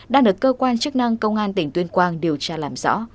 đang được cơ quan chức năng công an tỉnh tuyên quang điều tra làm rõ